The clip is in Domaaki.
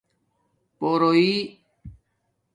پورویی